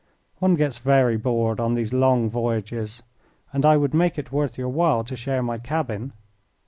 One gets very bored on these long voyages, and I would make it worth your while to share my cabin."